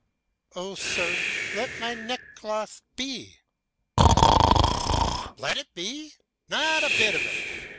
"Oh sir, let my neckcloth be." "Let it be? Not a bit of it!